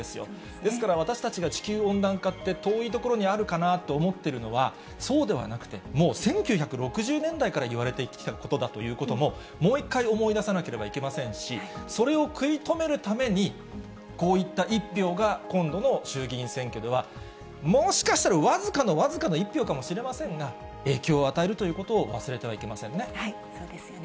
ですから、私たちが地球温暖化って遠いところにあるかなと思ってるのは、そうではなくて、もう１９６０年代からいわれていたことだということも、もう一回思い出さなければなりませんし、それを食い止めるために、こういった１票が今度の衆議院選挙では、もしかしたら、僅かの僅かの１票かもしれませんが、影響を与えるということを忘れてはいけませんね。